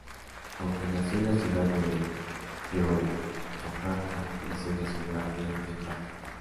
Aunque nació en la ciudad de Yogyakarta, creció en la ciudad de Yakarta.